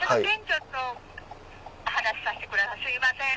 すいません。